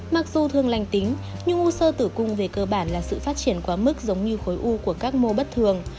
mặc dù thường lành tính nhưng u sơ tử cung về cơ bản là sự phát triển quá mức giống như khối u của các mô bất thường